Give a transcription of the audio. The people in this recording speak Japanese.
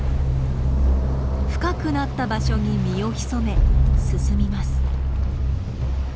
深くなった場所に身を潜め進みます。